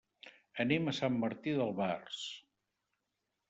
Anem a Sant Martí d'Albars.